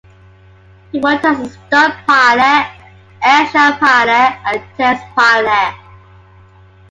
He worked as a stunt pilot, airshow pilot, and test pilot.